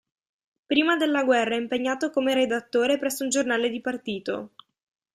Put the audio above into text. Prima della guerra è impegnato come redattore presso un giornale di partito.